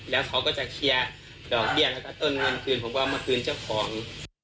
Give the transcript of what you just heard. แล้วเขาก็จะเคลียร์ดอกเบี้ยแล้วก็ต้นเงินคืนผมก็เอามาคืนเจ้าของ